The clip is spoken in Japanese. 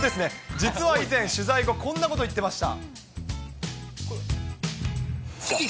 実は以前、取材後、こんなこと言ってました。